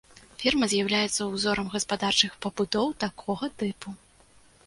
Ферма з'яўляецца ўзорам гаспадарчых пабудоў такога тыпу.